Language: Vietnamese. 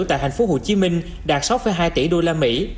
tại thành phố hồ chí minh đạt sáu hai tỷ đô la mỹ